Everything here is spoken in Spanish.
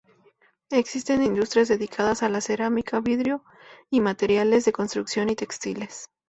Existen industrias dedicadas a la cerámica, vidrio y materiales de construcción y textiles.